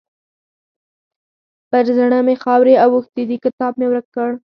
پر زړه مې خاورې اوښتې دي؛ کتاب مې ورک کړ.